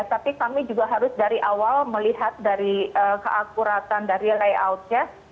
tapi kami juga harus dari awal melihat dari keakuratan dari layoutnya